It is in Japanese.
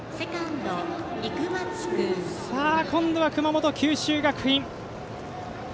今度は熊本、九州学院。